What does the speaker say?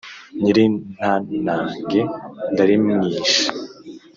Nyirintanage ndarimwisha.